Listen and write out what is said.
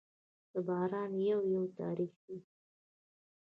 د باران یو، یو تار يې